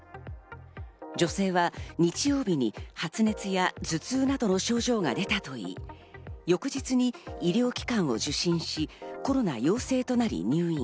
女性は日曜日に発熱や頭痛などの症状が出たといい、翌日に医療機関を受診し、コロナ陽性となり入院。